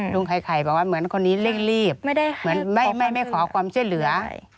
ลุงไข่บอกว่าเหมือนคนนี้เร่งรีบเหมือนไม่ขอความช่วยเหลือ